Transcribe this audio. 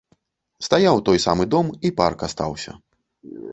Стаяў той самы дом, і парк астаўся.